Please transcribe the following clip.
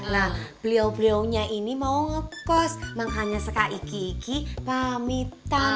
nah beliau beliaunya ini mau ngekos makanya suka iki iki pamitan